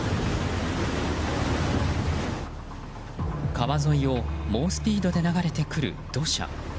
川沿いを猛スピードで流れてくる土砂。